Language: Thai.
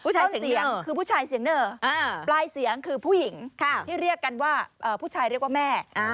ใช้เสียงคือผู้ชายเสียงเหน่อปลายเสียงคือผู้หญิงที่เรียกกันว่าผู้ชายเรียกว่าแม่